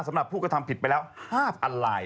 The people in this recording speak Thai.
สำหรับผู้กระทำผิดไปแล้ว๕๐๐ลาย